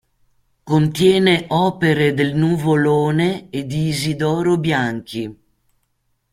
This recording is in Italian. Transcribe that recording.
Contiene opere del Nuvolone e di Isidoro Bianchi.